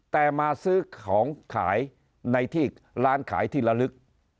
แต่มาซื้อของขายในที่ร้านขายที่ละลึก